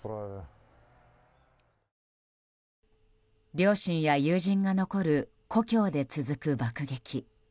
両親や友人が残る故郷で続く爆撃。